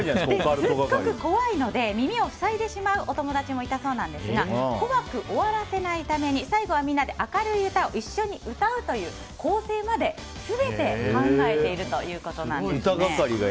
すっごく怖いので耳を塞いでしまうお友達もいたそうなんですが怖く終わらせないために最後はみんなで明るい歌を一緒に歌うという構成まで全て考えているということです。